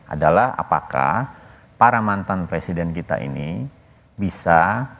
adalah apakah para mantan presiden kita ini bisa